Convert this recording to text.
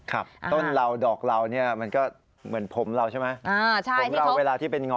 ครับต้นเราดอกเราเนี่ยมันก็เหมือนผมเราใช่ไหม